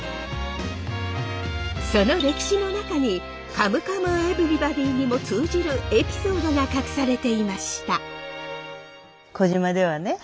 その歴史の中に「カムカムエヴリバディ」にも通じるエピソードが隠されていました。